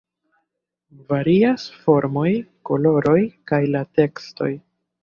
Varias formoj, koloroj kaj la tekstoj.